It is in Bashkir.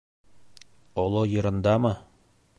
— Оло йырындамы?